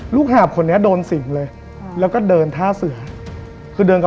ลูกหาบคนนี้โดนสิงเลยแล้วก็เดินท่าเสือ